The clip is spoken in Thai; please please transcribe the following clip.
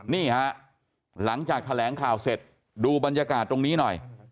นี่ฮะหลังจากแถลงข่าวเสร็จดูบรรยากาศตรงนี้หน่อย